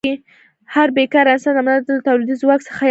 هر بېکاره انسان د ملت له تولیدي ځواک څخه یو کمښت دی.